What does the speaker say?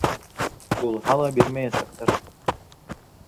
Булһа ла бирмәйәсәктәр.